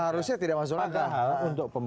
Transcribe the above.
seharusnya tidak masuk akal padahal untuk